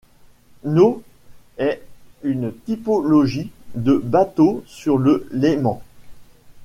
Nau est une typologie de bateau sur le Léman.